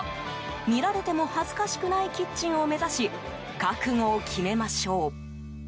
見られても恥ずかしくないキッチンを目指し覚悟を決めましょう。